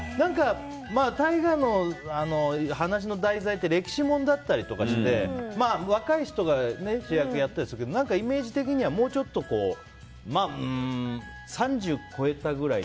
大河の話の題材って歴史ものだったりして若い人が主役をやったりするけどイメージ的には、もうちょっと３０超えたぐらい。